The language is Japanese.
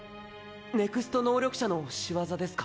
ＮＥＸＴ能力者の仕業ですか？